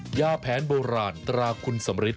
หญ้าแผนโบราณตราคุณสมริษฐ์